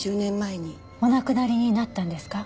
お亡くなりになったんですか？